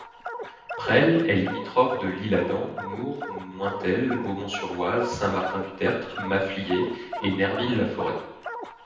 Presles est limitrophe de L'Isle-Adam, Mours, Nointel, Beaumont-sur-Oise, Saint-Martin-du-Tertre, Maffliers et Nerville-la-Forêt.